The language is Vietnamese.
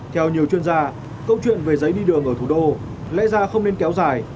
theo nhiều chuyên gia câu chuyện về giấy đi đường ở thủ đô lẽ ra không nên kéo dài